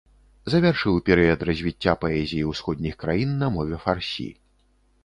Завяршыў перыяд развіцця паэзіі ўсходніх краін на мове фарсі.